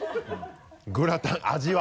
グラタン味は。